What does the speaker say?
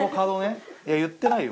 言ってないよ。